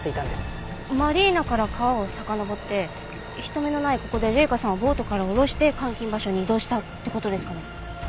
マリーナから川をさかのぼって人目のないここで麗華さんをボートから下ろして監禁場所に移動したって事ですかね。